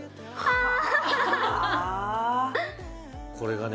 あこれがね